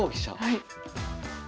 はい。